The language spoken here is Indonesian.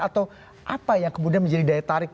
atau apa yang kemudian menjadi daya tarik